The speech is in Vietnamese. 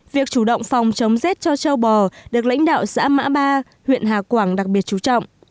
việc chủ động phòng chống rét cho châu bò được lãnh đạo xã mã ba huyện hà quảng đặc biệt chú trọng